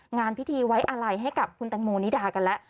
งานพิธีไว้อะไรให้กับคุณแตงโมนิดากันแล้ว